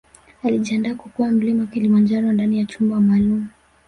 Alijiandaa kukwea Mlima Kilimanjaro ndani ya chumba maalum